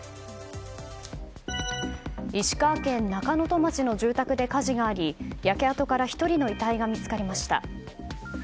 石川県中能登町の住宅で火事があり焼け跡から１人の遺体が見つかりました。